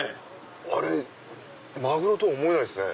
あれマグロとは思えないっすね。